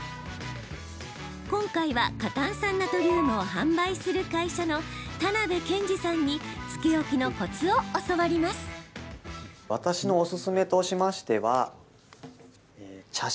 今回は、過炭酸ナトリウムを販売する会社の田邊謙司さんにつけ置きのコツを教わります。